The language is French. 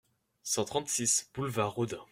cent trente-six boulevard Rodin